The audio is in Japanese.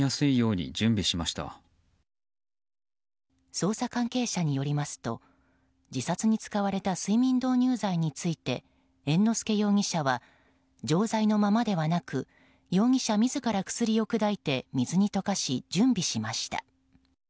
捜査関係者によりますと自殺に使われた睡眠導入剤について猿之助容疑者は錠剤のままではなく容疑者自ら薬を砕いて水に溶かし、準備しました。